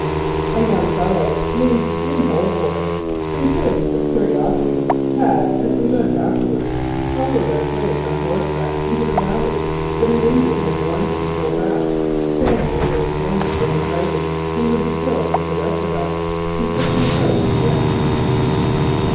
A young fellow named Jim Holford, consumed with curiosity, had, as we learned afterwards, followed our 146 The Crooked Lakes Affair sleighs on horseback into the valley, but an Indian had warned him to go back, saying if there was going to be any fighting he would be killed with the rest of us. He took the advice and went.